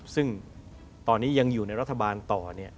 ซึ่งตอนนี้ยังอยู่ในรัฐบาลต่อ